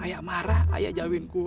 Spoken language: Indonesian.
ayah marah ayah jauhin gue